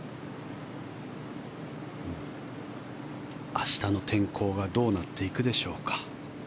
明日の天候がどうなっていくでしょうか。